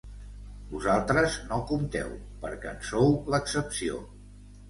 Vosaltres no compteu, perquè en sou l'excepció.